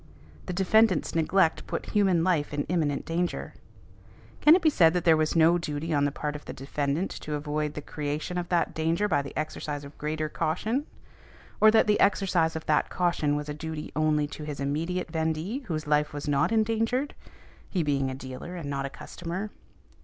The defendant's neglect put human life in imminent danger. Can it be said that there was no duty on the part of the defendant to avoid the creation of that danger by the exercise of greater caution? Or that the exercise of that caution was a duty only to his immediate vendee, whose life was not endangered? (He being a dealer and not a customer.)